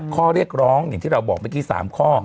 ข้อเรียกร้องอย่างที่เราบอกเมื่อกี้๓ข้อ